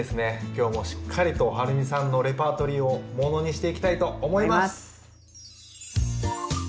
今日もしっかりとはるみさんのレパートリーをものにしていきたいと思います。